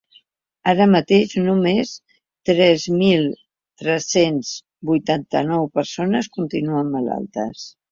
Ara mateix, només tres mil tres-cents vuitanta-nou persones continuen malaltes.